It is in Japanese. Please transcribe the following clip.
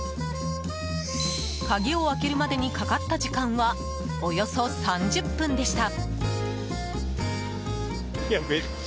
鍵を開けるまでにかかった時間はおよそ３０分でした。